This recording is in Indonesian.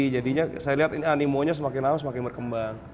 jadinya saya lihat ini animonya semakin lama semakin berkembang